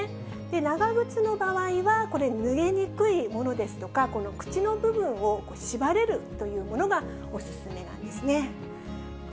長靴の場合はこれ、ぬれにくいものですとか、口の部分を縛れるというものがお勧めなんですね。